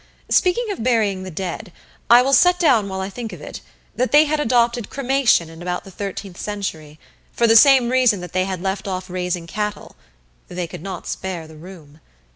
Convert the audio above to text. Speaking of burying the dead, I will set down while I think of it, that they had adopted cremation in about the thirteenth century, for the same reason that they had left off raising cattle they could not spare the room.